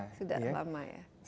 sudah lama ya